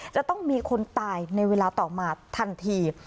จะต้องมีคนตายในเวลาต่อมาทันที